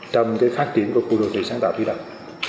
trong phát triển của khu đô thị sáng tạo phía đông